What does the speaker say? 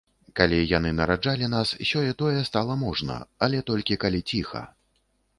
Калі яны нараджалі нас, сеё-тое стала можна, але толькі калі ціха.